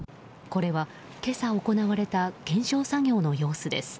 これは今朝、行われた検証作業の様子です。